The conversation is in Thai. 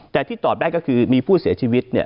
แต่ที่ตอบได้ก็คือมีผู้เสียชีวิตเนี่ย